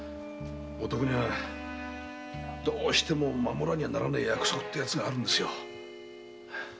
男にはどうしても守らにゃならねぇ約束ってヤツがあるんですよ。